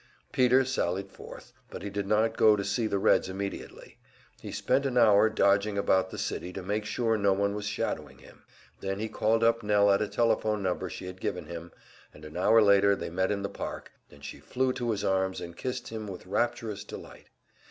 Peter sallied forth; but he did not go to see the Reds immediately. He spent an hour dodging about the city to make sure no one was shadowing him; then he called up Nell at a telephone number she had given him, and an hour later they met in the park, and she flew to his arms and kissed him with rapturous delight.